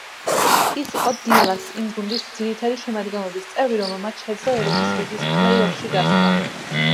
ის იყო „დილას“ იმ გუნდის ძირითადი შემადგენლობის წევრი, რომელმაც შეძლო ევროპის ლიგის პლეი-ოფში გასვლა.